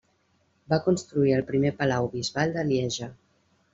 Va construir el primer palau bisbal de Lieja.